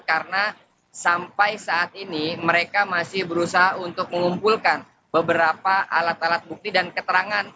karena sampai saat ini mereka masih berusaha untuk mengumpulkan beberapa alat alat bukti dan keterangan